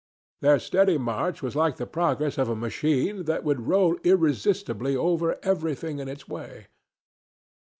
Their steady march was like the progress of a machine that would roll irresistibly over everything in its way.